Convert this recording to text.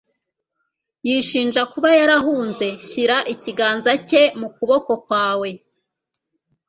yishinja kuba yarahunze; shyira ikiganza cye mu kuboko kwawe